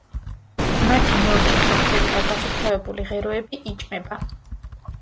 მათი ნორჩი ფოთლები და გასუფთავებული ღეროები იჭმება.